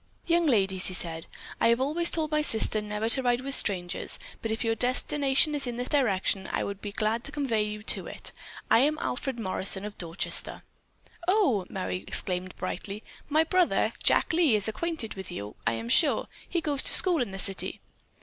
"Young ladies," he said, "I have always told my sister never to ride with strangers, but if your destination is in this direction I would be glad to convey you to it. I am Alfred Morrison of Dorchester." "Oh," Merry exclaimed brightly, "my brother, Jack Lee, is acquainted with you, I am sure. He goes to school in the city."